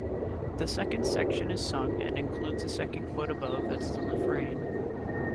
The second section is sung and includes the second quote above as the refrain.